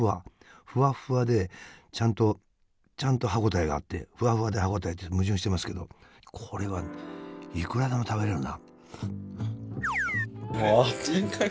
ふわふわでちゃんとちゃんと歯応えがあってふわふわで歯応えって矛盾してますけどこれはいくらでも食べれるな。